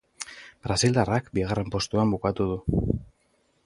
Brasildarrak bigarren postuan bukatu du.